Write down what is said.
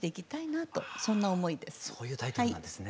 そういうタイトルなんですね。